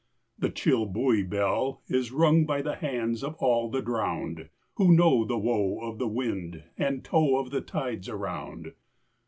The chill buoy bell is rung by the hands Of all the drowned, Who know the woe of the wind and tow Of the tides around.